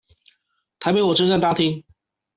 台北火車站大廳